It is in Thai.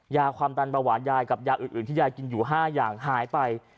ยาความดันเบาหวานยายกับยาอื่นที่ยายกินอยู่๕อย่างหายไป